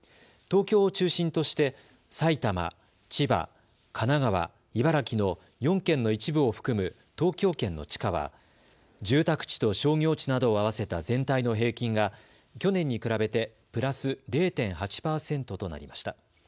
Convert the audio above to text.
東京を中心として埼玉、千葉、神奈川、茨城の４県の一部を含む東京圏の地価は、住宅地と商業地などを合わせた全体の平均が去年に比べて、プラス０．８％となりました。